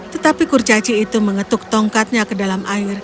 tetapi kurcaci itu mengetuk tongkatnya ke dalam air